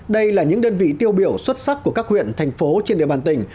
đây là những đơn vị tiêu biểu xuất sắc của các huyện thành phố trên địa bàn tỉnh